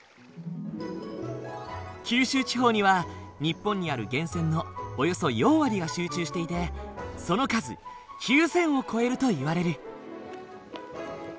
九州地方には日本にある源泉のおよそ４割が集中していてその数９，０００を超えるといわれる。